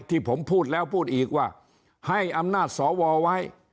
ที่ผมพูดแล้วพูดอีกว่าให้อำนาจสวไว้